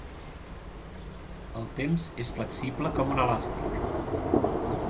El temps és flexible com un elàstic.